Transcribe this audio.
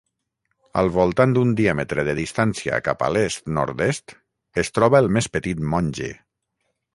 Al voltant d'un diàmetre de distància cap a l'est-nord-est es troba el més petit Monge.